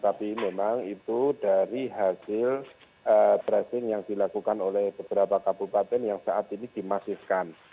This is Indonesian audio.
tapi memang itu dari hasil tracing yang dilakukan oleh beberapa kabupaten yang saat ini dimasifkan